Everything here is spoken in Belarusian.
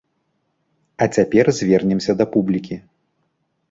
А цяпер звернемся да публікі.